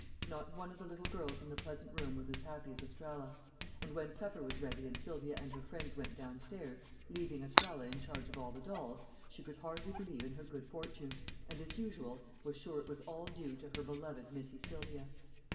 Not one of the little girls in the pleasant room was as happy as Estralla; and when supper was ready and Sylvia and her friends went down stairs, leaving Estralla in charge of all the dolls, she could hardly believe in her good fortune, and, as usual, was sure it was all due to her beloved Missy Sylvia.